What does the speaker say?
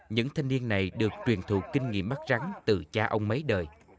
những thanh niên này được truyền thủ kinh nghiệm bắt rắn từ cha ông mấy đời